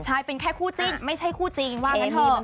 ใช่เป็นแค่คู่จิ้นไม่ใช่คู่จริงว่างั้นเถอะ